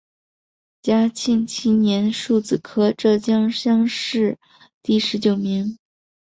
嘉靖七年戊子科浙江乡试第十九名。